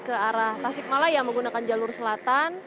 jadi saya sudah menggunakan jalur selatan